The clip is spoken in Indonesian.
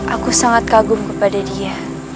aku sangat kagum kepada dia